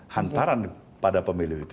hantaran pada pemilu itu